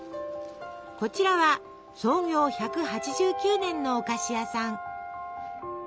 こちらは創業１８９年のお菓子屋さん。